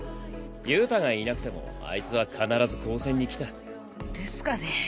憂太がいなくてもあいつは必ず高専に来た。ですかね？